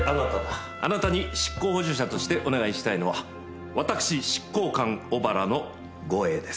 あなたに執行補助者としてお願いしたいのは私執行官小原の護衛です。